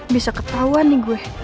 bisa ketawa nih gue